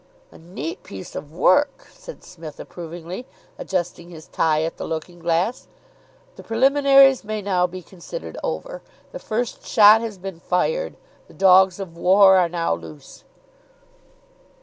"A neat piece of work," said Psmith approvingly, adjusting his tie at the looking glass. "The preliminaries may now be considered over, the first shot has been fired. The dogs of war are now loose."